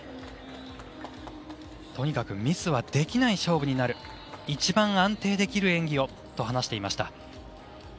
とにかくミスはできない勝負になる一番安定できる演技をと話していました。